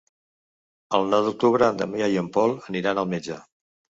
El nou d'octubre en Damià i en Pol aniran al metge.